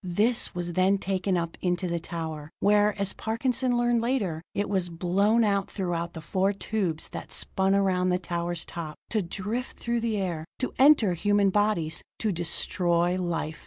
This was then taken up into the tower, where, as Parkinson learned later, it was blown out through the four tubes that spun around the tower's top, to drift through the air to enter human bodies to destroy life.